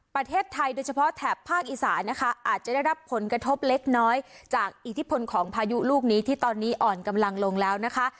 ประเทศไทยโดยเฉพาะแถบภาคอีสานนะคะอาจจะได้รับผลกระทบเล็กน้อยจากอิทธิพลของพายุลูกนี้ที่ตอนนี้อ่อนกำลังลงแล้วนะคะ